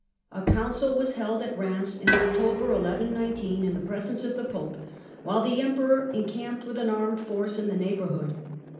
A Council was held at Eheims in October 1119 in the presence of the Pope, while the Emperor encamped with an armed force in the neighbourhood.